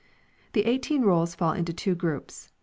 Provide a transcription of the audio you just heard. The eighteen rolls fall into two groups.